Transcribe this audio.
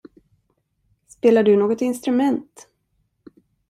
Spelar du något instrument?